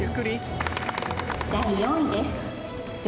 第４位です